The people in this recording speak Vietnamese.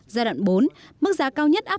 giai đoạn bốn mức giá cao nhất áp